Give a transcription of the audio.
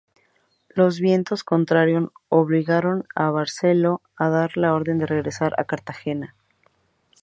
Los vientos contrarios obligaron a Barceló a dar la orden de regresar a Cartagena.